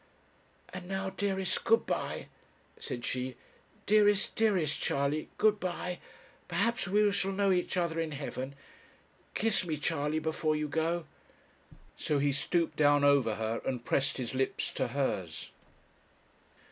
'And now, dearest, good bye,' said she; 'dearest, dearest Charley, good bye; perhaps we shall know each other in heaven. Kiss me, Charley, before you go,' So he stooped down over her, and pressed his lips to hers.